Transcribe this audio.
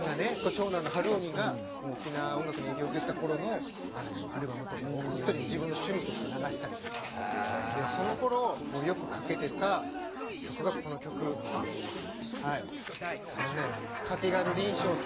長男の晴臣が沖縄音楽に影響を受けていたころのアルバムとかをこっそり自分の趣味として流してたりとかそのころ、よくかけてた曲がこの曲でございます。